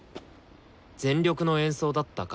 「全力の演奏だったか？」